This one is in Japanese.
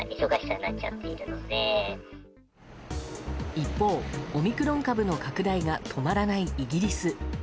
一方、オミクロン株の拡大が止まらないイギリス。